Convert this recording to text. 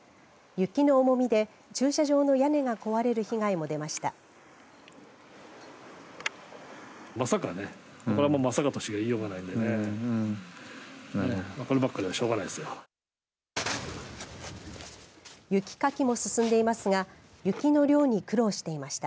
雪の重みで駐車場の屋根が壊れる被害も出ました。